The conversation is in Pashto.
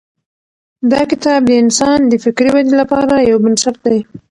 دا کتاب د انسان د فکري ودې لپاره یو بنسټ دی.